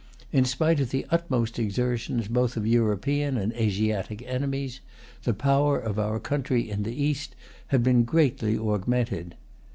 In spite of the utmost exertions both of European and Asiatic enemies, the power of our country in the East had been greatly augmented.